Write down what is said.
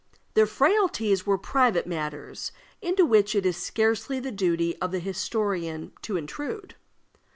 Their frailties were private matters, into which it is scarcely the duty of the historian to intrude.